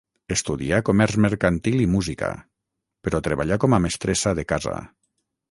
Estudià comerç mercantil i música, però treballà com a mestressa de casa.